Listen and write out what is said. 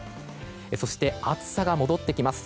そして、暑さが戻ってきます。